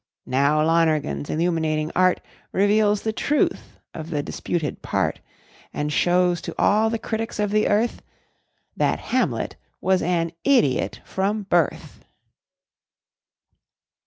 Now, Lonergan's illuminating art Reveals the truth of the disputed "part," And shows to all the critics of the earth That Hamlet was an idiot from birth!